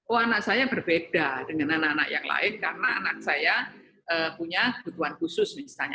oh anak saya berbeda dengan anak anak yang lain karena anak saya punya kebutuhan khusus misalnya